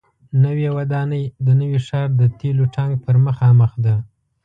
نوې ودانۍ د نوي ښار د تیلو ټانک پر مخامخ ده.